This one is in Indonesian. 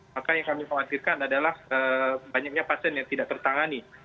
maka yang kami khawatirkan adalah banyaknya pasien yang tidak tertangani